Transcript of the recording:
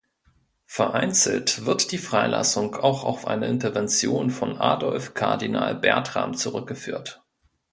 Vereinzelt wird die Freilassung auch auf eine Intervention von Adolf Kardinal Bertram zurückgeführt.